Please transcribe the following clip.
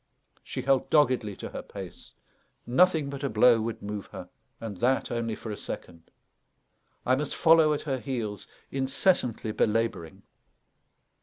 She held doggedly to her pace; nothing but a blow would move her, and that only for a second. I must follow at her heels, incessantly belabouring.